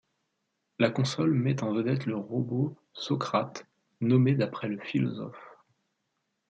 La console met en vedette le robot Socrates, nommé d'après le philosophe.